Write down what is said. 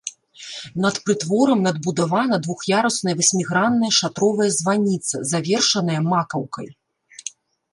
Над прытворам надбудавана двух'ярусная васьмігранная шатровая званіца, завершаная макаўкай.